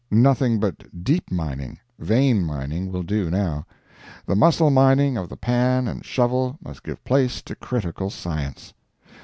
Nothing but deep mining—vein mining—will do now. The muscle mining of the pan and shovel must give place to critical science.